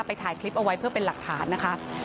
ถ่ายคลิปเอาไว้เพื่อเป็นหลักฐานนะคะ